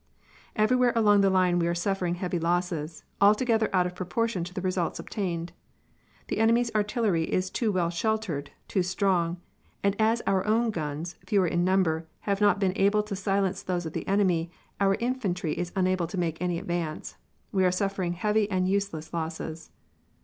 "Everywhere along the line we are suffering heavy losses, altogether out of proportion to the results obtained. The enemy's artillery is too well sheltered, too strong; and as our own guns, fewer in number, have not been able to silence those of the enemy, our infantry is unable to make any advance. We are suffering heavy and useless losses.